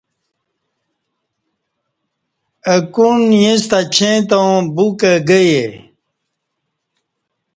اہ کون اِیݩستہ اچیں تاوں پُوگہ گیے